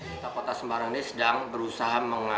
kita kota semarang ini sedang berusaha